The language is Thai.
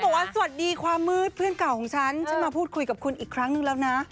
บอกว่าสวัสดีความมืดเพื่อนเก่าของฉันฉันมาพูดคุยกับคุณอีกครั้งหนึ่งแล้วนะ